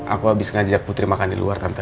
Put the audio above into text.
aku habis ngajak putri makan di luar tante